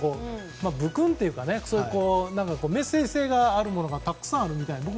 部訓というかメッセージ性があるものがたくさんあるみたいですね。